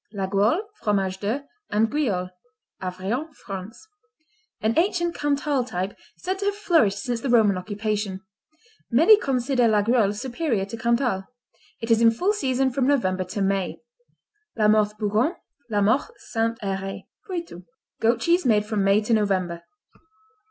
Laguiole, Fromage de, and Guiole Aveyron, France An ancient Cantal type said to have flourished since the Roman occupation. Many consider Laguiole superior to Cantal. It is in full season from November to May. Lamothe Bougon, La Mothe St. Heray Poitou Goat cheese made from May to November.